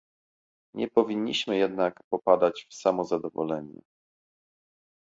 Nie powinniśmy jednak popadać w samozadowolenie